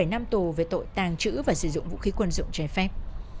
bảy năm tù về tội tàng trữ và sử dụng vũ khí quân dụng trái phép